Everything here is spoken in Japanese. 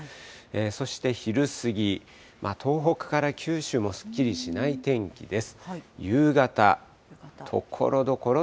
そして昼過ぎ、東北から九州もすっきりしない天気です。